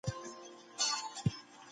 رسا صاحب د پښتو ادب ستوری دی.